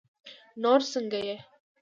نور سنګه یی